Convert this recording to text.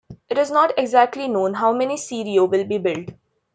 It is not exactly known how many Sirio will be built.